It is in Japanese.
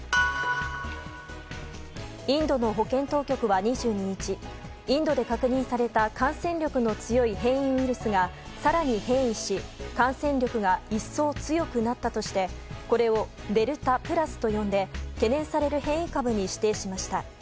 インドの保健当局は２２日インドで確認された感染力の強い変異ウイルスが更に変異し感染力が一層強くなったとしてこれをデルタプラスと呼んで懸念される変異株に指定しました。